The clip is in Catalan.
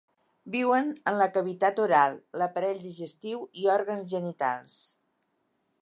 Viuen en la cavitat oral, l'aparell digestiu i òrgans genitals.